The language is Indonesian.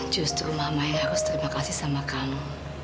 justru mama yang harus terima kasih sama kamu